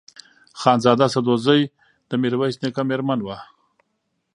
خانزاده سدوزۍ د میرویس نیکه مېرمن وه.